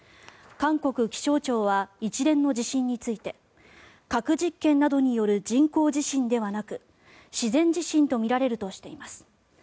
韓国気象庁は一連の地震について核実験などによる人工地震ではなく自然地震とみられるとしています。